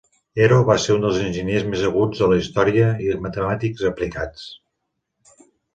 Hero va ser un dels enginyers més aguts de la història i matemàtics aplicats.